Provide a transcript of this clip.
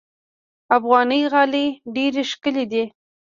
افغاني غالۍ ډېرې ښکلې دي.